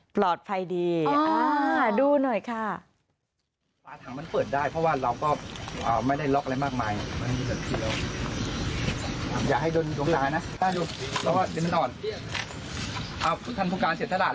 ปลอดภัยดีดูหน่อยค่ะ